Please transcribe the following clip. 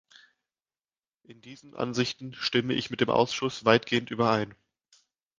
In diesen Ansichten stimme ich mit dem Ausschuss weitgehend überein.